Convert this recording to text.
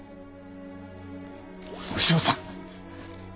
お嬢さん！